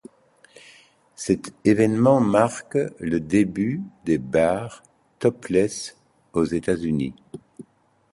Cet évènement marque le début des bars topless aux États-Unis.